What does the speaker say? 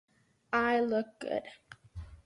I look good.